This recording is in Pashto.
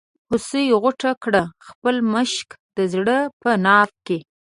هوسۍ غوټه کړه خپل مشک د زړه په ناف کې.